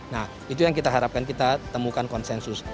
nah itu yang kita harapkan kita temukan konsensus